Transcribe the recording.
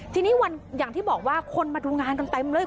ทีนี้วันอย่างที่บอกว่าคนมาดูงานกันเต็มเลย